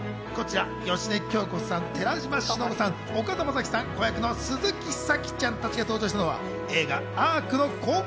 芳根京子さん、寺島しのぶさん、岡田将生さん、子役の鈴木咲ちゃん達が登場したのは映画『Ａｒｃアーク』の公開